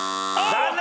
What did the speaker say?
残念。